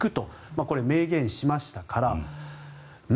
これは明言しましたから。